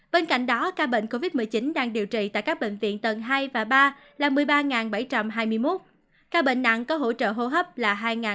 bên cạnh đó ca bệnh covid một mươi chín đang điều trị tại các bệnh viện tầng hai và ba là một mươi ba bảy trăm hai mươi một ca bệnh nặng có hỗ trợ hô hấp là hai sáu trăm bốn mươi tám